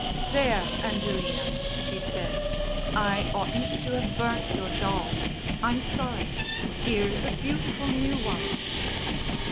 "There, Angelina," she said. "I oughtn't to have burnt your doll. I'm sorry. Here's a beautiful new one."